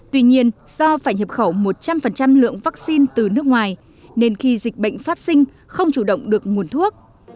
tuy nhiên do phải nhập khẩu một trăm linh lượng vaccine từ nước ngoài nên khi dịch bệnh phát sinh không chủ động được nguồn thuốc